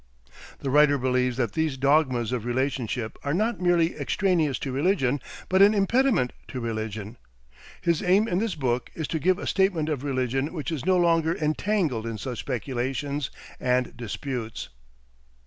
The writer believes that these dogmas of relationship are not merely extraneous to religion, but an impediment to religion. His aim in this book is to give a statement of religion which is no longer entangled in such speculations and disputes.